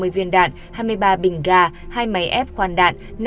bốn bảy trăm năm mươi viên đạn hai mươi ba bình gà hai máy ép khoan đạn